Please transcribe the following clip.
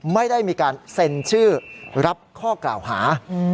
ไม่ได้มีการเซ็นชื่อรับข้อกล่าวหา